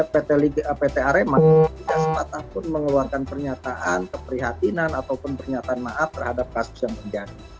pt arema tidak sepatah pun mengeluarkan pernyataan keprihatinan ataupun pernyataan maaf terhadap kasus yang terjadi